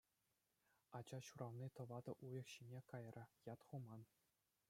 Ача ҫурални тӑватӑ уйӑх ҫине кайрӗ, ят хуман.